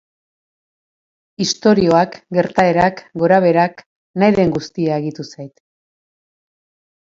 Istorioak, gertaerak, gorabeherak, nahi den guztia agitu zait.